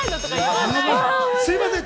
すいません。